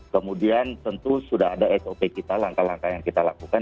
kemudian tentu sudah ada sop kita langkah langkah yang kita lakukan